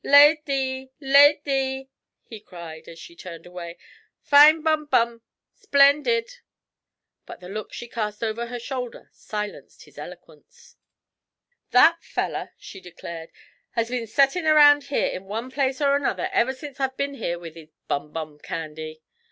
'Lad ee! Lad ee!' he cried, as she turned away. 'Fine bum bum, splendid!' But the look she cast over her shoulder silenced his eloquence. 'That feller,' she declared, 'has been settin' around here in one place or another ever sence I've been here with his bum bum candy.